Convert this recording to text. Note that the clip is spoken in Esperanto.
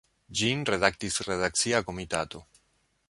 Ĝin redaktis redakcia komitato.